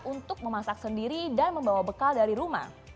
untuk memasak sendiri dan membawa bekal dari rumah